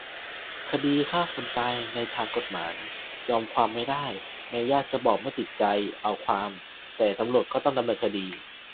คดีฆ่าคนตาย ในทางกฎหมาย "ยอมความไม่ได้" แม้ญาติจะบอกไม่ติดใจเอาความ แต่ตำรวจก็ต้องดำเนินคดี